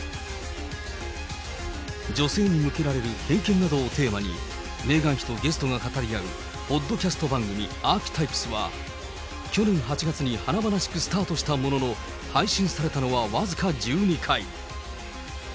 女性に向けられる偏見などをテーマにメーガン妃とゲストが語り合うポッドキャスト番組、アーキタイプスは、去年８月に華々しくスタートしたものの、配信されたのは僅か１２回。